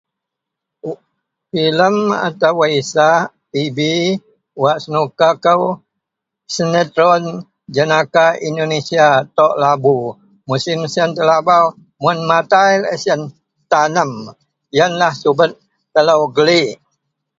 . Filem atau wak isak tv wak senuka kou sinetron jenaka Indonesia, Tok Labu. Musim siyen telabau, mun matai laei siyen tanem. Yenlah subet telou gelik